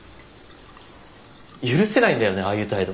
許せないんだよねああいう態度。